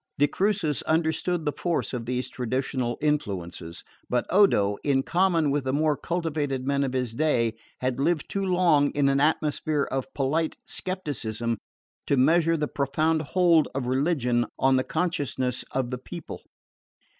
De Crucis understood the force of these traditional influences; but Odo, in common with the more cultivated men of his day, had lived too long in an atmosphere of polite scepticism to measure the profound hold of religion on the consciousness of the people.